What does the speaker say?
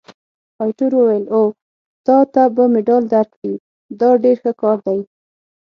ایټور وویل: اوه، تا ته به مډال درکړي! دا ډېر ښه کار دی.